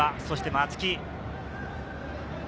そして松木。